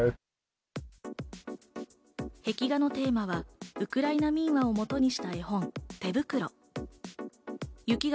壁画のテーマはウクライナ民話を基にした絵本『てぶくろ』。